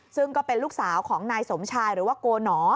ซึ่งก็เป็นลูกสาวของนายสมชายหรือว่าโกหนอ